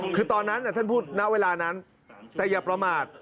คือตอนนั้นท่านพูดณเวลานั้นแต่อย่าประมาท